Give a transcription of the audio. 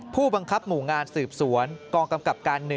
ผู้บังคับหมู่งานสืบสวนกองกำกับการ๑